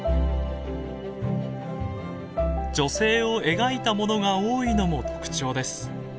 女性を描いたものが多いのも特徴です。